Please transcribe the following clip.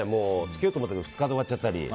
つけようと思っても２日で終わっちゃったり。